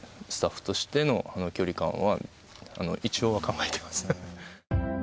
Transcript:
スタッフとしての距離感は一応は考えてます。